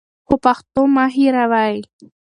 خو پښتو مه هېروئ.